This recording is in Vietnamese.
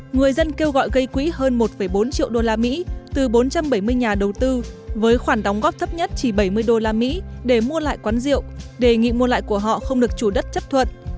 người dân kêu gọi gây quỹ hơn một bốn triệu usd từ bốn trăm bảy mươi nhà đầu tư với khoản đóng góp thấp nhất chỉ bảy mươi usd để mua lại quán rượu đề nghị mua lại của họ không được chủ đất chấp thuận